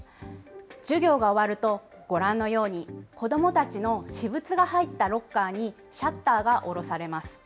授業が終わると、ご覧のように、子どもたちの私物が入ったロッカーにシャッターが下ろされます。